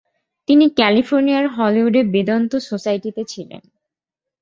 তিনি ক্যালিফোর্নিয়ার হলিউডের বেদান্ত সোসাইটিতে ছিলেন।